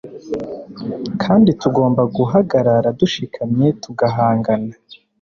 kandi tugomba guhagarara dushikamye tugahangana